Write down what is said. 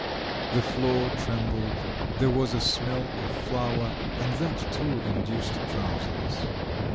The floor trembled, there was a smell of flour, and that, too, induced drowsiness.